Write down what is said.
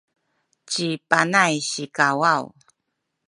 ci Panay sikawaw